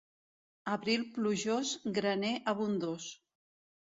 Abril plujós, graner abundós.